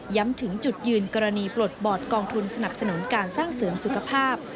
ถึงจุดยืนกรณีปลดบอร์ดกองทุนสนับสนุนการสร้างเสริมสุขภาพ